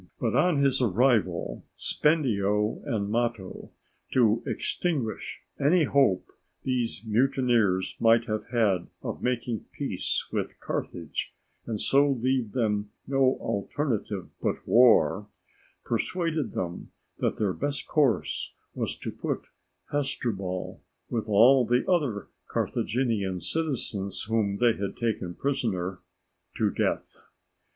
But on his arrival, Spendio and Mato, to extinguish any hope these mutineers might have had of making peace with Carthage, and so leave them no alternative but war, persuaded them that their best course was to put Hasdrubal, with all the other Carthaginian citizens whom they had taken prisoners, to death.